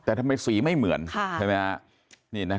แต่ทำไมสีไม่เหมือนใช่ไหมครับ